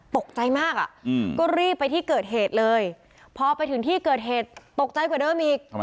ตกใจมากก็รีบไปที่เกิดเหตุเลยพอไปถึงที่เกิดเหตุตกใจกว่าเดิมอีก